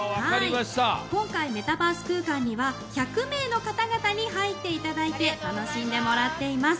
今回メタバース空間には１００名の方々に入っていただいて楽しんでもらっています。